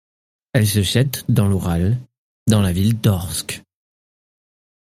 Elle se jette dans l'Oural dans la ville d'Orsk.